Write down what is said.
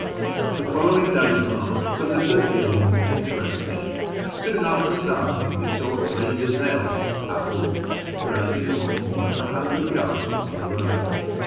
The following day's march was a good deal more interest ing. Soon after starting we saw three gazelles {dhu) grazing not more than 100 yards off the road.